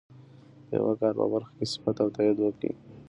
د یوه کار په برخه کې صفت او تایید وکړي.